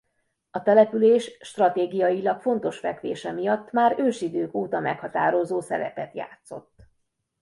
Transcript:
A település stratégiailag fontos fekvése miatt már ősidők óta meghatározó szerepet játszott.